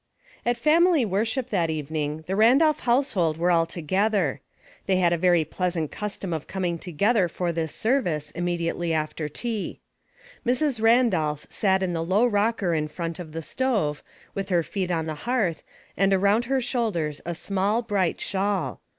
s^M(^ T family worship that evening tlie Ran ^i«^ dolph household were all toixether. .Ipl They had a very pleasant custom of ^?^ coming together for this service, imme diately after tea. Mrs. Randolph sat in the low rocker in front of the stove, with lier feet on the hearth, and around her shoulders a small bright shawl.